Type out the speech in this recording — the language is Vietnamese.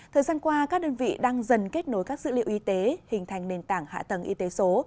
thời gian qua các đơn vị đang dần kết nối các dữ liệu y tế hình thành nền tảng hạ tầng y tế số